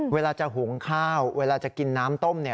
เวลาจะหุงข้าวเวลาจะกินน้ำต้ม